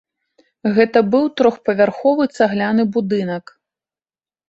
Гэта быў трохпавярховы цагляны будынак.